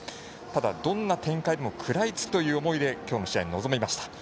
ただ、どんな展開でも食らいつくという思いで今日の試合に臨みました。